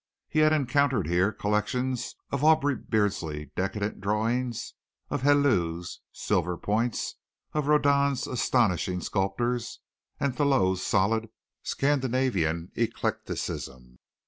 He had encountered here collections of Aubrey Beardsley's decadent drawings, of Helleu's silverpoints, of Rodin's astonishing sculptures and Thaulow's solid Scandinavian eclecticism.